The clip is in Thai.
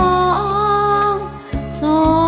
ไม่ใช้ค่ะ